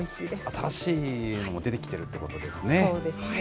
新しいのも出てきてるということですね。